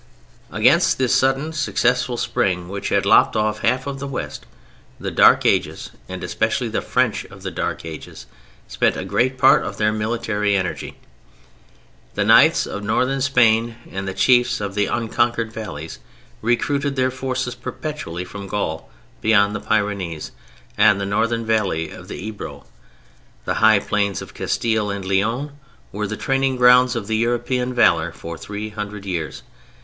Against this sudden successful spring which had lopped off half of the West, the Dark Ages, and especially the French of the Dark Ages, spent a great part of their military energy. The knights of Northern Spain and the chiefs of the unconquered valleys recruited their forces perpetually from Gaul beyond the Pyrenees; and the northern valley of the Ebro, the high plains of Castile and Leon, were the training ground of European valor for three hundred years.